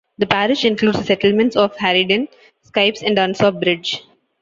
The parish includes the settlements of Hareden, Sykes, and Dunsop Bridge.